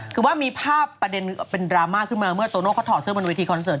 คือว่ามีภาพประเด็นเป็นดราม่าขึ้นมาเมื่อโตโน่เขาถอดเสื้อบนเวทีคอนเสิร์